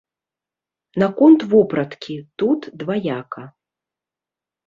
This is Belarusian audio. Наконт вопраткі, тут дваяка.